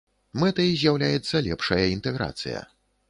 Мэтай з'яўляецца лепшая інтэграцыя.